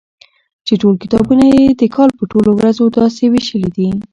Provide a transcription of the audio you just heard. چي ټول کتابونه يي د کال په ټولو ورځو داسي ويشلي دي